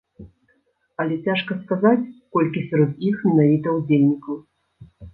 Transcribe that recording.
Але цяжка сказаць, колькі сярод іх менавіта ўдзельнікаў.